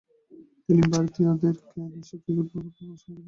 তিনি ভারতীয়দেরকে নিজস্ব cricket board গঠনে উৎসাহিত করেন।